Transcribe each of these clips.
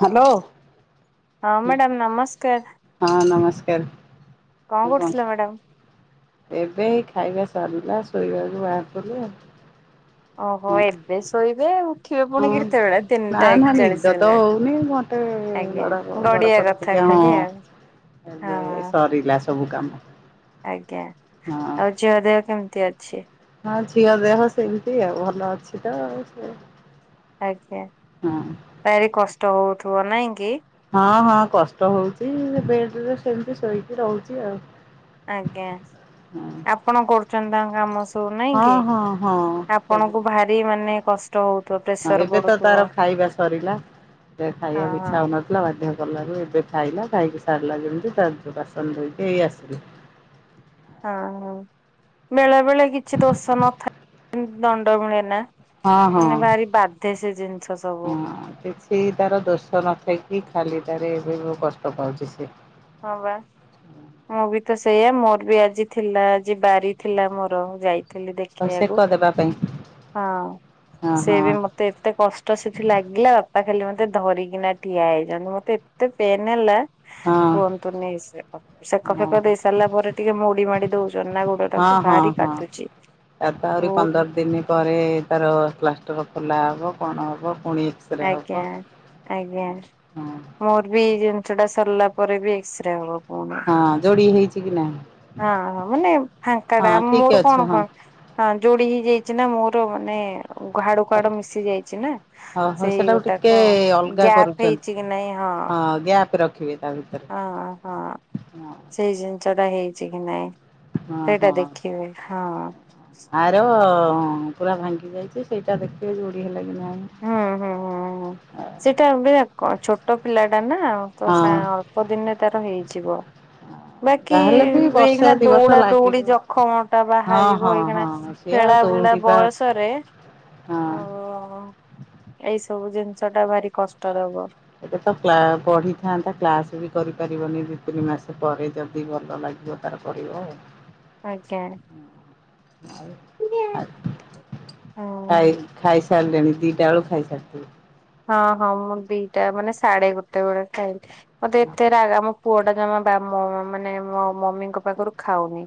Hello. ହଁ madam ନମସ୍କାର। ହଁ ନମସ୍କାର। କଣ କରୁଥିଲା ମ୍ୟାଡାମ? ଏବେ ହିଁ ଖାଇବା ସରିଲା ଶୋଇବାକୁ ବାହାରିଲ ଆଉ। ଓହୋ ଏବେ ଶୋଇବେ ଆଉ। ଉଥିବେ ପୁଣି କେତେବେଳେ ହଁ ନା ତିନିଟା ନା ନିଦ ଏକଚାଳିଶ ତ ହେଲାଣି। ହଉନି ଘଣ୍ଟେ ଆଜ୍ଞା, ଗଡ ଗଡ ଗଡିଆ ପଡ କଥା ଟିକେ କଥା ହଁ ଖାଲି ଆଉ ଏବେ ହଁ ସରିଲା ସବୁ କାମ। ଆଜ୍ଞା ହଁ। ଆଉ ଝିଅ ଦେହ କେମିତି ଅଛି? ହଁ ଝିଅ ଦେହ ସେମିତି ଆଉ ଭଲ ଅଛି ତ ସେ। ଆଜ୍ଞା। ହଁ। ଭାରି କଷ୍ଟ ହଉଥିବ ନାଇଁ କି। ହଁ ହଁ କଷ୍ଟ ହଉଛି ବେଡ ରେ ସେମିତି ଶୋଇକି ରହୁଛି ଆଉ। ଆଜ୍ଞା ହଁ ଆପଣ କରୁଛନ୍ତି ତାଙ୍କ କାମ ସବୁ ନାଇଁ ହଁ କି। ହଁ ହଁ ସବୁ ଆପଣଙ୍କୁ ଭାରି ମାନେ କଷ୍ଟ ହଉ ହଁ ଏବେ ତ ତାର ଖାଇବା ସରିଲା ଏ ହଁ ଖାଇବାକୁ ହଁ। ଇଚ୍ଛା ହଉନ ଆସା ବାଧ୍ୟ କଲାରୁ ଏବେ ଖାଇଲା, ଖାଇକି ସାରିଲା ଯେମିତି ତା ବାସନ ଧୋଇକି ଏଇ ଆସିଲି। ହଁ ହଁ ବେଳେ ବେଳେ କିଛି ଦୋଷ ନଥାଏତି ଦଣ୍ଡ ମିଳେ ନା। ହଁ ହଁ। ମାନେ ଭାରି ବାଧେ ସେ ଜିନିଷ ସବୁ। ସେ ତାର ଦୋଷ ନଥାଇକି ଖାଲି ଟାରେ ଏବେ ବି କଷ୍ଟ ପାଉଛି ସେ। ହଁ ବା। ମୁଁ ବି ତ ସେଇଆା ମୋର ବି ଆଜି ଥିଲା ଆଜି ବାରି ଥିଲା ମୋର ଯାଇ ସେକ ଦେଖେଇବାକୁ ଦେବା ପାଇଁ ହଁ ହଁ ସେ ବି ମତେ ତେ ଏତେ କଷ୍ଟ ସେଠି ଲାଗିଲା ବାପା ଖାଲି ମତେ ଧରିକିନା ଠିଆ ହେଇଛନ୍ତି ମତେ ଏତେ ପେନ୍ ହେଲା ହଁ ହଁ କୁହନ୍ତୁନି ଏସେ। ସେକ ହଁ ଫେକ ଦେଇ ସାରିଲା ପରେ ଟିକେ ମୋଡି ମାଡି ଦଉଛନ୍ତୀ ଅନା ଗୋଡ ହଁ ଟାକୁ ହଁ ଭାରି ହଁ। କାଟୁଛି। ତାର ତ ଆହୁରି ବହୁତ ପନ୍ଦର ଦିନ ପରେ ତାର ପ୍ଲାଷ୍ଟର ଖୋଲା ହବ କଣ ହବ ପୁଣି ଏକ୍ସରେ ହବ। ଆଜ୍ଞା। ଆଜ୍ଞା ହଁ ମୋର ବି ଏଇ ଜିନିଷ ଟା ସରିଲା ପରେ ବି ଏକ୍ସରେ ହବ ପୁଣି। ହଁ ଯୋଡି ହେଇଛି କି ନାହିଁ। ହଁ ମାନେ ଫାଙ୍କା ଟା ହଁ ଠିକ ମୋର ଅଛି କଣ କଣ ହଁ। ହଁ ଯୋଡି ହେଇ ଯାଇଛି ନା ମୋର ମାନେ ହାଡ଼ କୁ ହାଡ଼ ମିଶି ଯାଇଚି ନା ହଉ ହଉ ସେଇ ସେଟାକୁ ଗୋଟା ଟିକେ କଣ ଅଲଗା ଗ୍ୟାପ ହେଇ କରୁଛନ୍ତି ହଁ ଗ୍ୟାପ ରଖିବେ ତା ହଁ ହଁ। ଭିତରେ ହଁ ସେଇ ଜିନିଷ ଟା ହେଇଛି କି ନାଇଁ ହଁ ସେଇଟା ହଁ। ଦେଖିବେ ହଁ। ଆର ପୁରା ଭାଙ୍ଗି ଯାଇଛି ସେଇଟା ଦେଖିବେ ଯୋଡ଼ି ହେଲା କି ନାହିଁ। ହୁଁ ହୁଁ ହୁଁଁ। ସେଟା ଗୋଟେ ଛୋଟ ପିଲାଟା ନା ତ ହଁ ଅଳ୍ପ ଦିନରେ ତାର ହେଇଯିବ। ବାକି ଯାହାହେଲେ ବି ବର୍ଷେ ଏଇଖିଣା ଦି ବର୍ଷ ଦୌଡା ଲାଗିବ ଦୌଡି ଜଖମ ଟା ହଁ ହଁ ବାହାରିବ ଏଇଖିଣା ହଁ। ସିଏ ଆଉ ଖେଳା ବୁଲା ଦୌଡିବା ବୟସରେ ହଁ। ଓ ଏଇ ସବୁ ଜିନିଷ ଟା ଭାରି କଷ୍ଟ ଦବ। ଏବେ ତ ପଢିଥାନ୍ତା କ୍ଲାସ ବି କରିପାରିବନି ଦି ତିନି ମାସ ପରେ ଯଦି ଭଲ ଲାଗିବ ତାରପଡ଼ିବ ଅ ଆଜ୍ଞା। ଆ ହଁ ଖାଇ ଖାଇସ ସାରିଲେଣି ଦିଟା ବେଳ ଖାଇସାରିିଥିବେ। ହଁ ହଁ ମୁଁ ଦିଟା ମାନେ ସାଢେ ଗୋଟେ ବେଳେ ଖାଇଲି ମତେ ଏତେ ରାଗା ମୋ ପୁଅ ଟା ଜମା ବା ମାନେ ମୋ ମମିଙ୍କ ପାଖରୁ ଖାଉନି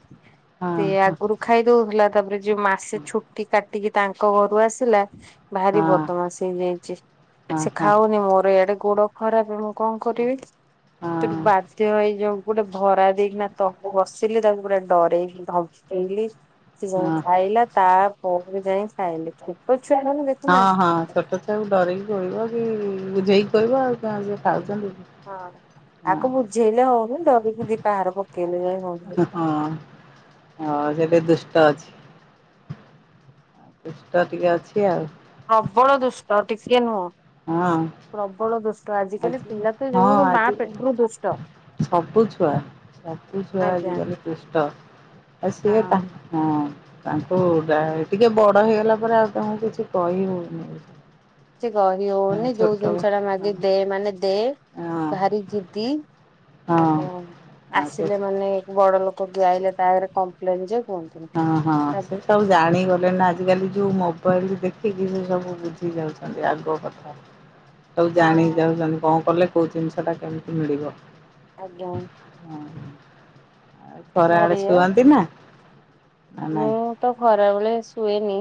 ହଁ ସିଏ ହଁ ଆଗରୁ ଖା ଖାଇ ଦଉଥିଲା ତାପରେ ଯୋଉ ମାସେ ଛୁଟି କାଟିକି ତାଙ୍କ ଘରୁ ଆସିଲା ହଁ ଭାରି ବଦମାସି ହେଇଯାଇଚି। ହଁ ସେ ହଁ ଖାଉନି ମୋର ଇଆଡେ ଗୋଡ ଖରାପ ମୁଁ କଣ କରିବି ତ ହଁ ବାଧ୍ୟ ହେଇ ଯୋଉ ଗୋଟେ ଭରା ଦେଇକିନା ତକୁ ବସିଲି ତାକୁ ପୁରା ଡରେଇଲି ଧମେକେଇଲି ସେ ଯଉଁ ହଁ। ଖାଇଲା ତାପରେ ଯାଇ ଖାଇଲି ଛେଟ ଛୁଆ ମାନେ ଯେ ହଁ ହଁ ଛୋଟ ଛଆକୁ ଡରେଇକି ଖୁଏଇବା କି ବୁଝେଇକି ଖୁଏଇବ ଆଉ [unintelligible] ପିଲାମାନେ ଆଉ ଖାଉଜନ୍ତି ହଁ। ଆକୁ ବୁଝେଇଲେ ହଉନି ଡରିକି ଦିପାହାର ପକେଇଲେ ଯାଇ ହଉଛି। ହଁ ହଁ ସେଟିକେ ଦୁଷ୍ଟ ଅଛି। ଦୁଷ୍ଟ ଟିକେ ଅଛି ଆଉ ପ୍ରବଳ ଦୁଷ୍ଟ ଟିକେ ନୁହଁ। ହଁ। ପ୍ରବଳ ଦୁଷ୍ଟ ଆଜିକାଲି ଆଜି ପିଲା ତ ହଁ ଯୋଉ ମା ପେଟରୁ ଆଜିକାଲି ଦୁଷ୍ଟ। ସବୁ ଛୁଆ ସବୁ ଛୁଆ ଆଜ୍ଞା। ଆଜିକାଲି ଦୁଷ୍ଟ ଆଉ ସିଏ ତା ହଁ ହଁ ତାଙ୍କୁ ଟିକେ ବଡ ହେଇଗଲା ପରେ ଆଉ ତାଙ୍କୁ କିଛି କହି ହଉନି କିଛି କହି ହଉନି ଯୋଉ ଛୋଟ ହଁ ଜିନିଷ ଟା ମାଗି ଦେ ମାନେ ଦେ। ହଁ ଭାରି ଯିଦି ହଁ ଆ ଆଉ ସେ ଆସିଲେ ମାନେ ବଡ ଲୋକ ଯିଏ ଆଇଲେ ତାରେ କମ୍ପ୍ଲେନନ୍ ଯେ କୁହନି। ହଁ ହଁ ସେ ସବୁ ଜାଣିଗଲେଣି ନା ଆଜିକାଲି ଯେଉଁ ମୋବାଇଲ ଦେଖିକି ସେ ସବୁ ବୁଝି ଯାଉଛନ୍ତି ଆଗ କଥା। ସବୁ ଜାଣି ଯାଉଛନ୍ତି କଣ କଲେ କୋଉ ଜିନିଷ ଟା କେମିତି ମିଳିବ। ଆଜ୍ଞା। ହ ଆଉ ଖରା ଆଡେ ଭାରି ଇଏ ଶୁଅନ୍ତି ନା ନା ନାଇଁ? ମୁଁ ତ ଖରାବେଳେ ଶୁଏନି?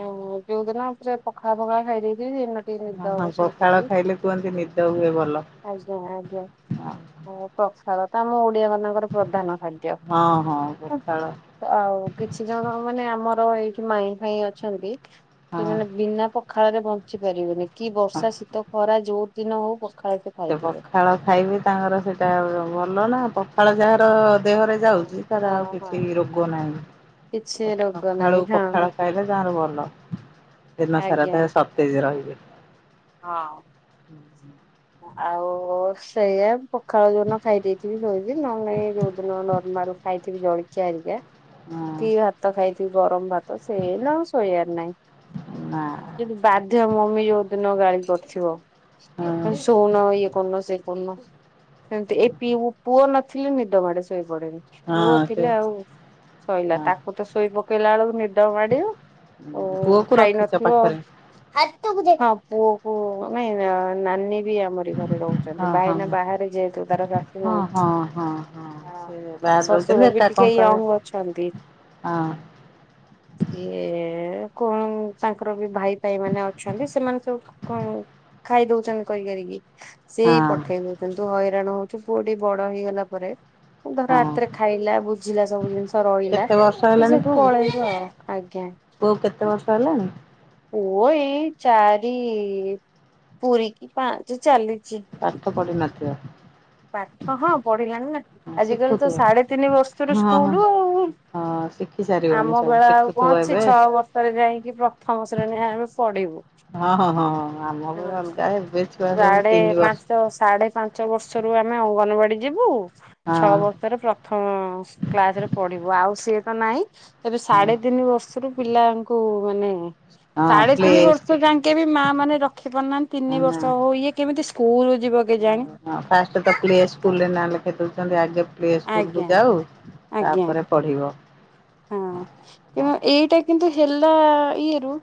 ଆଉ ଯୋଉଦିନ ପୁରା ପଖାଳ ଫଖାଳ ଖାଇ ଦେଇଥିବି। ସେଦିନ - - ହ ହଁ ପଖାଳ ଖାଇଲେ କୁହନ୍ତି ନିଦ ହୁଏ ଭଲ। ଆଜ୍ଞା ଆଜ୍ଞା ଆଉ ପଖାଳ ତ ଆମ ଓଡିଆ ମାନଙ୍କର ପ୍ରଧାନ ଖାଦ୍ୟ। ହଁ ହଁ ପଖାଳ ଆଉ କିଛି ଜଣ ମାନେ ଆମମର ଏଇଠି ମାଇଁ ଫାଇଁ ଅଛନ୍ତି ହଁ ସେମାନେ ବିନା ପ ଖାଳରେ ବଞ୍ଚି ପାରିବେନି। କି ହଁ ବର୍ଷା ଶୀତ ଖରା ଯୋଉ ଦିନ ହଉ ପଖାଳ ସେ ଖାଇଥିବେ। ପଖାଳ ଖାଇବି ତାଙ୍କର ସେଇଟା ଭଲ ନା ପଖାଳ ଯାହାର ଦେହରେ ହଁ ଯାଉଛି ତାର ହଁ ଆଉ କିଛି ହଁ। ରୋଗ ନାହିଁ। କିଛି ରୋଗ ନାହିଁ ସଖାଳୁ ହଁ ପଖାଳ ଖାଇଲେ ତାଙ୍କର ଭଲ ଦିନ ସାରା ଆଜ୍ଞା। ଦେ ସତ ତେଜରହିବ। ହଁ। ହୁଁ, ହୁଁ ଆଉ ଓ ସେଇଆା ପଖାଳ ଯୋଉନ ଖାଇ ଦେଇେଇଥିବି ଶୋଇବି ନହେଲୋଇଁ ଯୋଉଦିନ ନର୍ମାଲ ଖାଇଥିବି ଜଳି ଚାରିଟା ହଁ କି ଭାତ ଖାଇଥିବି ଗରମ ଭାତ ସେ ସେଦିନ ଶୋଇବାର ନାହିଁ। ନା ଯଦି ବାଧ୍ୟ ମମି ଯୋଉ ଦିନ ଗାଳି କରୁଥିବ ହଁ ଶଉନ ଇଏ କରନ ସେ ପୂନ୍ ସେମତି ଏ ପିଉ ପୁଅ ନଥିଲି ନିଦ ମାଡେ ଶୋଇପଡେନି। ପୁଅ ହଁ ସେ ଥିଲେ ଆଉ ଶୋଇଲା ହଁ ତାକୁ ତ ଶୋଇ ପକେଇଲା ବେଳକୁ ନିଦ ମାଡିବ। ଓ ପୁଅକୁ ଖାଇ ରଖିଛ ନଥିବ ପାଖରେ ହାତକୁ ଦେଏ ପୁଅ ମାନେ ନାନି ଏଇଆମରି ଘରେ ରହୁଛନ୍ତି ଭାଇନା ବାହାରେ ଯେହେତୁାର ହ ହଁ ହଁ ହଁ ହ ସେ ବାହାରେ ରହୁଛନ୍ତି ଶଶୁର ବି ଏକା କଣ ଟିକେ କହିବେ ୟଙ୍ଗ ଅଛନ୍ତି। ହଁ ଇଏ କଣ ତାଙ୍କର ବି ଭାଇ ଫାଇ ମାନେ ଅଛନ୍ତି ସେମାନେ ସବୁଠ କଣ ଖାଇ ଦଉଛନ୍ତି କରି କରିକି ସେଇ ପଟ ହଁ ଉଠେଇ ଦଉଛନ୍ତି ତୁ ହଇରାଣ ହଉଛି ପୁଅଠି ବଡ ହେଇଗଲା ପରେ- - ଧର ହଁ ହାତରେ ଖାଇଲା ବୁଝିଲା ସବୁ ଜିନିଷ ରହିଲା- କେତେ ବର୍ଷ - ତୁ ସେଠି ପଳେଇବୁ ଆଉ। ଆଜ୍ଞା କୋଉ କେତେ ବର୍ଷ ହେଲାଣି? ପୁଅ ଏଇ ଚାରି ପୁରୀ କି ପାଞ୍ଚ ଚାଲିଛି। ପାଠ ପଡିିନଥିବ? ପାଠ ହଁ ପଢିଲାଣି ନା ଆଜି କାଲି ତ ଶିଖୁଥିବ ସାଢେ ତିନି ବର୍ଷରୁ ହଁ ହଁ ସ୍କୁଲ ଆଉ। ହଁ ଶିଖି ସାରିବଣି ଆମ ସବୁ ବେଳା ଆଉ ଶିଖୁଥିବ କଣ ଅଛି ଏବେ ଛଅ ବର୍ଷ ରେ ଯାଇକି ପ୍ରଥମ ଶ୍ରେଣୀ ଆମେ ପଢିବୁ। ହଁ ହଁ ହଁଁ ଆମ ଭଳେ ଅଲଗା ଏବେ ଛୁଆ ସବୁ ତିନି ବର୍ଷ ତ ସାଢେ ପାଞ୍ଚ ବର୍ଷରୁ ଆମେ ଅଙ୍ଗନବାଡି ଯିବୁ ହଁ ଛଅ ବର୍ଷ- - ପ୍ରଥମ କ୍ଲାସରେ ପଢିବୁ ଆଉ ସିଏ ତ ନାହିଁ ଏବେ ହଁ ସାଢେ ତିନି ବର୍ଷରୁ- - ପିଲାଙ୍କୁ ମାନେ ହଁ ସାଢେ ପ୍ଲେ ତିନି ବର୍ଷ ସ୍କୁଲ ଯାଙ୍କେ ବି ମା ମାନେ ରଖି ପାରୁନାହାନ୍ତି ତିନି ବର୍ଷ ନା ହଉ ଇଏ - - କେମିତି ସ୍କୁଲ ରୁ ଯିବ କି ଜାଣି ହଁ ଫାଷ୍ଟ ତ ପ୍ଲେ ସ୍କୁଲରେ ନାଁ ଲେଖି ଦଉଚନ୍ତି ଆଗେ ପ୍ଲେ ସ୍କୁଲକୁୁ ଆଜ୍ଞା ଯାଉ। ଆଜ୍ଞା। ତାପରେ ପଢ଼ିବ। ହଁ ହଁ କିନ୍ତୁ ଏଇଟା କିନ୍ତୁ ହେଲା ଇଏ ରୁ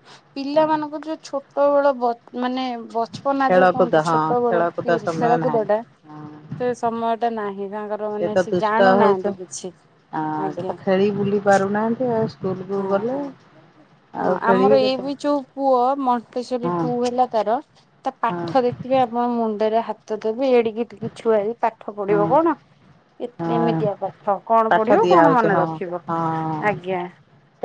ହଁ ପିଲାମାନଙ୍କ ଯୋଉ ଛୋ ଛୋଟବେଳ ବ ମାନେ ପପନା ଯୋଉ ଖେଳକୁଦ କୁହନ୍ତି ହଁ ଛୋଟ ବେଳ ଖେଳକୁଦ ପିରି ସମୟ ଖେଳକୁଦ ନାହିଁ ଟା ହଁ ସେ ସମୟ ଟା ନାହିଁ ତାଙ୍କର ସେ ମାନେ ତ ଦୁଷ୍ଟ ଜାଣୁନାହାନ୍ତି ହଉଛ କିଛି। ଆ ସେ ଆଜ୍ଞା ତ ଖେଳି ବୁଲି ପାରୁନାହାନ୍ତି ଆଉ। ତୁ ହଁ ବୋଲେ ହଁ। ହଁ ଆମର ଏ ବି ଯୋଉ ପୁଅ ମହକେଶ୍ଵରୀ ହଁ ଟୁ ହେଲା ତାର ତା ହଁ ପାଠ ଦେଖ ଟିକ ଆମ ମୁଣ୍ଡରେ ହାତ ଦେବି ଏଡିକି ଟିକେ ଛୁଆ ହେ କାଠ ହଁ ପଡିବ କଣ? ଏମିତିଆ ହଁ ପାଠ କଣ ପାଠ ପଢିବ କଣ ଦିଆହଉଛି ମନେ ରଖିବ ଆଜ୍ଞା।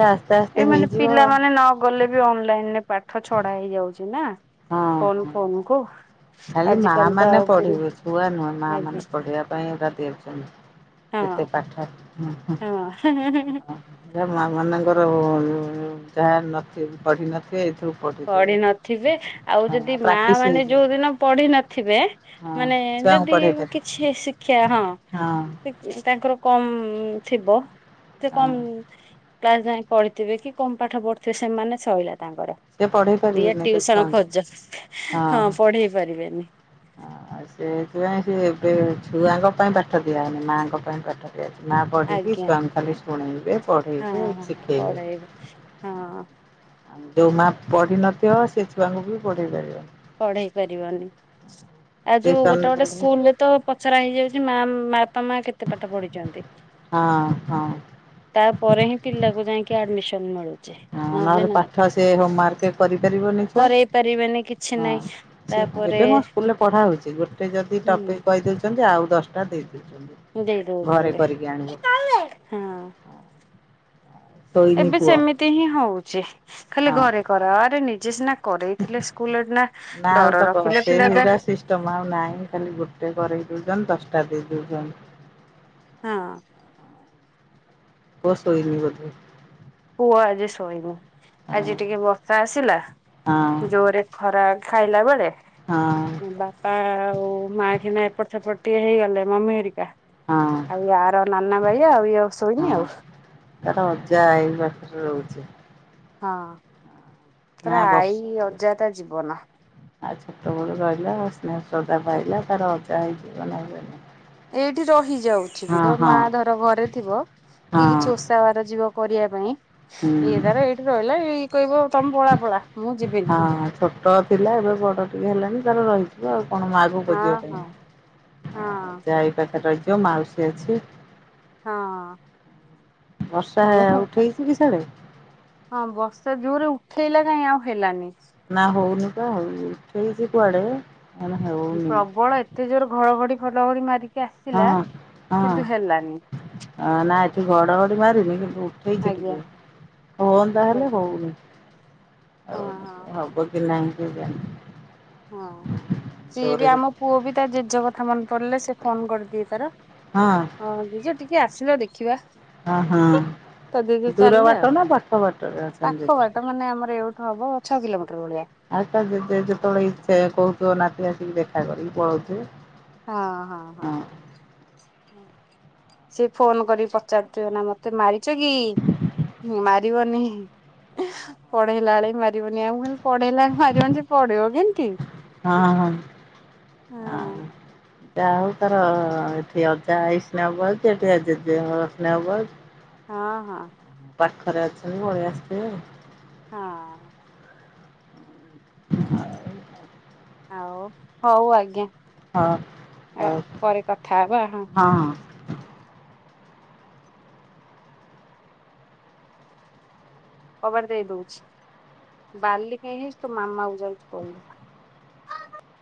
ଚା ଏମାନେ ପିଲାମାନେ ନ ଗଲେ ବି ଅନଲାଇନ ରେ ପାଠ ଛଡା ହେଇଯାଉଛି ନା ହଁ ଫୋନ ହଁ ଫୋନ କୁ। ଖାଲି ମା ଆଜିକାଲି ତ ମାନେ ଆଉ ପୁଣି ପଢିବେ ଛୁଆ ନୁହେଁ ମା ଆଜ୍ଞା ମାନେ ପଢିବା ପାଇଁ ଏଟା ଦେଉଛନ୍ତି। କେତେ ହଁ ପାଠ ହଁ। ହ ଜା ମା ମାନଙ୍କର ଯାହା ନ ପଢ ନଥିବେ ଏଇଥିରୁ ପଢ଼ି ପଢ଼ିଦେବେ। ନଥିବେ ଆଉ ହଁ ଯଦି ମା ପ୍ରାକ୍ଟିସ୍ ମାନେ ହେଇଯିବ ଯୋଉ ଦିନ ପଢି ନଥିବେ ହଁ ମାନେ ଛୁଆଙ୍କୁ ଯଦି ପଢ଼େଇ ପାରିବେ କିଛି ଶିକ୍ଷା ହଁ ତାଙ୍କର କମ୍ ଥିବ ସେ ହଁ। କମ୍ କ୍ଲାସ ଯାଇ ପଢିଥିବେ କି କଣ ପାଠ ପଢିଥିବେ ସେମାନେ ସଇଲା ତାଙ୍କର। ସେ ପଢ଼େଇ ଦିଏ ପାରିବେନି ତ ଟଟିଉସନ ଛୁଆଙ୍କୁ ଖୋଜ ହଁ ପଢେଇ ପାରିବେନି। ହ ସେଥିପାଇଁ ସେ ଏବେ ଛୁଆଙ୍କ ପାଇଁ ପାଠ ଦିଆ ହେନି ମାଆଙ୍କ ପାଇଁ ପାଠ ମା ପଢ଼ିକି ଆଜ୍ଞା ସୟଂ ଖାଲି ଶୁଣେଇବେ ହଁ ପଢ଼େଇବେ ହଁ ଶିଖେଇବେ। [unintelligible] ହଁ। ଆଉ ଯଉ ମା ପଢ଼ିନଥିବ ସେ ଛୁଆଙ୍କୁ ବି ପଢ଼େଇ ପାରିବନି। ପଢେଇ ପାରିବନି ଆ ଯୋଉ ଟିଉସନରେ ଗୋଟେ ଗୋଟେ ପଢ଼େଇ ସ୍କୁଲରେ ତ ପଚରା ହେଇଯାଉଛି ମା ବାପା ମା କେତେ ପାଠ ପଢିଛନ୍ତି। ହଁ ହଁ। ତାପରେ ହିଁ ପିଲାକୁ ଯାଇକି ଆଡମିସନ ମିଳୁ ହଁ ନହେଲେ ପାଠ ସେ ହୋମୱାର୍କ କରିପାରିବ ନିଛ କରେଇ ପାରିବେନି କିଛି ହଁ ନାହିଁ ସଏ ତାପରେ ଏବେ ମୋ ସ୍କୁଲରେ ପଢା ହଉଛି ଗୋଟେ ଯଦି ଟପିକ କହିଦଉଛନ୍ତି ଆଉ ଦଶଟା ଦେଇଦଉଛନ୍ତି। ଦେଇ ଦଉଛନ୍ତି [unintelligible] ଶୋଇନି ଏବେ ପୁଅ ସେମିତି ହିଁ ହଉଛି ଖାଲି ହଁ ଘରେ କରାଅ ଆରେ ନିଜେ ସିନା କରେଇଥିଲେ ସ୍କୁଲ ନା ଆଉ ଡର ତ ରଖିଲେ ପିଲା ସେରା ସିଷ୍ଟମ୍ ଆଉ ନାହିଁ ଖାଲି ଗୋଟେ କରରେ ଦେଉଛନ୍ ଦଶଟା ଦେଇ ଦେଉଛନ ହଁ। ପୁଅ ଶୋଇଛି ବୋଧେ। ପୁଅ ଆଜି ଶୋଇନି ହଁ ଆଜି ଟିକେ ବର୍ଷା ଆସିଲା ହଁ ଜୋରେ ଖରା ଖାଇଲା ବେଳେ। ହଁ। ବାପା ଆଉ ମା କିନା ଏପଟ ସେପଟ ଟିକେ ହେଇଗଲେ ମମି ଘାରିକା। ହଁ ଆଉ ଆର ନାନା ଭାଇ ଆଉ ଇଏ ଶୋଇନି ହଁ ଆଉ। ତାର ଅଜା ଆଈ ପାଖରେ ରହୁଛି। ହଁ ନା ପୁରା ବର୍ଷା ଆଈ ଟିକେ ଅଜା ତା ଜୀବନ। ଆଉ ଛୋଟବେଳୁ ରହିଲା ସ୍ନେହ ଶ୍ରଦ୍ଧା ପାଇଲା ତାର ଅଜା ହେଇଯିବନି। ଏଇଠି ରହି ଯାଉଛି ବି, ଧ ମା ଧର ଘରେ ଥିବ କି ହଁ କିଛି ଓସାବାର ଯିବ କରିବା ପାଇଁ ହୁଁ ଇଏ ତାର ଏଇଠି ରହିଲା ଏଇ କହିବ ତମେ ପଳା ପଳା। ମୁଁ ଯିବିନି ହଁ ଛୋଟ ଥିଲା ଏବେ ବଡ ଟିକେ ହେଲାଣି ତାର ରହିଯିବ ଆଉ କଣ ମା କୁ ହଁ ଖୋଜିବ କାଇଁ? ହଁ ହଁ ଆଉ ଯାହା ଏଇ ପାଖରେ ରହିଥିବ ମାଉସୀ ଅଛି। ହଁ ବର୍ଷା ମୁଁ ଉଠେଇଛି କି ସିଆଡେ? ହଁ ବର୍ଷା ଜୋରେ ଉଠେଇଲା କାହିଁ ଆଉ ହେଲାନି। ନା ହଉନି ପା ହଉନି ଉଠେଇଛି କୁଆଡେ? ଏଇନା ହେବ। ପ୍ରବଳ ଏତେ ଜୋର୍ ଘଡ଼ଘଡି ଖଲଘଡି ମାରିକି ଆସିଲା କିନ୍ତୁ ହେଲାନି। ଆ ନା ଏଠି ଘଡ଼ଘଡି ମାରିନି କିନ୍ତୁ ଉଠେଇଛି ଆଜ୍ଞା। ଟିକେ। ହୁଅନ୍ତା ହେଲେ ଆଜ୍ଞା ହଉନି, ହଁ ହଁ ହଁ [unintelligible] [unintelligible] ହଁ ସିଏ ଜୋରେ ବି ଆମ ପୁଅବି ତା ଜେଜ କଥା ମନେ ପଡିଲେ ସେ ଫୋନ୍ କରିଦିଏ ତାର। ହଁ ହଁ ଜେଜ ଟିକେ ଆସିଲ ଦେଖିବା। ହଁ ହଁ ତ ଦିଦି ଦୂର ଚାଲିଲେ ବାଟ ଆଉ, ନା ପାଖ ବାଟରେ ଅଛନ୍ତି ପାଖ ଜେଜେ? ବାଟ ମାନେ ଆମର ଏଉ ଠୁ ହବ ଛଅ କିଲୋମିଟର ଭଳିଆ। ଆଉ ତା ଜେଜ ଯେତେବେଳେ ଇ ସେ କହୁଥୁବ ନାତି ଆସିକି ଦେଖା କରିକି ପଳଉଥିବେ। ହଁ, ହଁ, ହଁ। ସେ ଫୋନ୍ କରି ପଚାରୁଥିବ ନା ମତେ ମାରିଛ କି? ମାରିବ ନେହିଁ। ପଢେଇଲା ବେଳେ ମାରିବନି, ଆଉ ମୁଁ କହିଲି ପଢେଇଲା ବେଳେ ମାରିବନି ସେ ପଢେଇିବ କେମତି? ହଁ ହଁ ଆଉ ହଁ ଯା ହଉ ତାର ଏଠି ଅଜା ଆଇ ସ୍ନେହ ପାଉଛି ଏଠି ଆ ଜେଜେଙ୍କର ସ୍ନେହ ପାଉଛି। ହଁ, ହଁ। ପାଖରେ ଅଛନ୍ତି ପଳେଇ ଆସିଥିବେ। ହଁ [inaudible] ଆଉ ହଉ ଆଜ୍ଞା ଆଉ। ହଁ ଆଉ ହଉ ପରେ କଥା ହବା ହଁ। କବାଟ ଦେଇ ଦଉଛି, ବାଲି କାହିଁ ହେଇଚୁ ତୋ ମାମାକୁ ଯାଉଛି କହିବି।